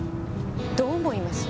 どう思います？